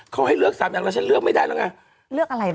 เขาให้เลือก๓อย่างแล้วฉันเลือกไม่ได้แล้วไง